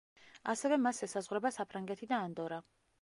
ასევე მას ესაზღვრება საფრანგეთი და ანდორა.